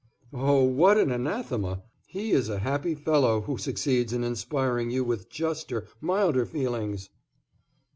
"Oh, what an anathema! He is a happy fellow who succeeds in inspiring you with juster, milder feelings!"